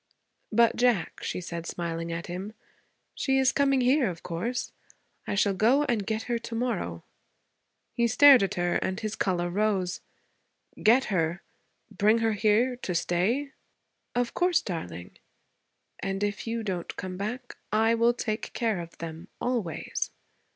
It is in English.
'But, Jack,' she said, smiling at him, 'she is coming here, of course. I shall go and get her to morrow.' He stared at her and his color rose. 'Get her? Bring her here, to stay?' 'Of course, darling. And if you don't come back, I will take care of them, always.'